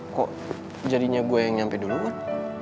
kok jadinya gue yang nyampe duluan